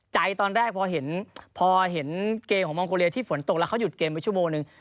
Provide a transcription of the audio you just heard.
ใจตอนแรกพอเห็นพอเห็นเกมของมองโกเลีที่ฝนตกแล้วเขาหยุดเกมไปชั่วโมงนึง